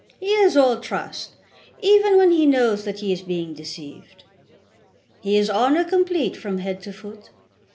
He is all trust, even when he knows that he is being deceived. He is honour complete from head to foot.